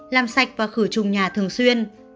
làm sạch và khử trùng nhà thường xuyên